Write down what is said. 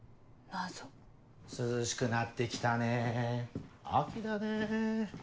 涼しくなって来たね秋だね。